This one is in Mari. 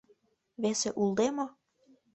— Весе улде мо!